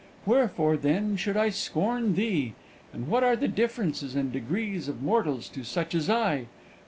Wherefore, then, should I scorn thee? and what are the differences and degrees of mortals to such as I!